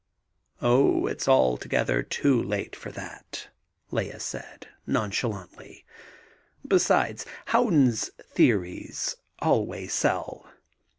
"Oh, it's altogether too late for that" Lea said, nonchalantly. "Besides, Howden's theories always sell."